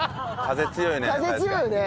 風強いよね。